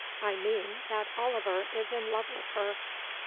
I mean that Oliver is in love with her."